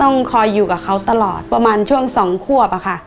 ต้องคอยอยู่กับเขาตลอดประมาณช่วงสองควบอะค่ะ